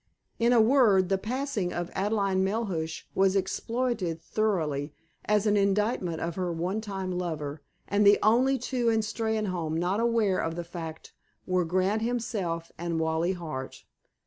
In a word, the passing of Adelaide Melhuish was exploited thoroughly as an indictment of her one time lover, and the only two in Steynholme not aware of the fact were Grant, himself, and Wally Hart.